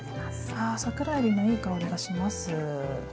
あ桜えびのいい香りがします。